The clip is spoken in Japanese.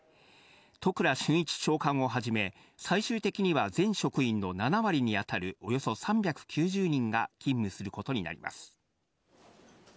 都倉俊一長官をはじめ、最終的には全職員の７割に当たるおよそ３９０人が勤務することになります。